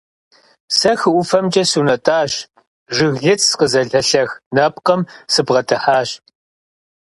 Сэ хы ӀуфэмкӀэ сунэтӀащ, жыглыц къызэлэлэх нэпкъым сыбгъэдыхьащ.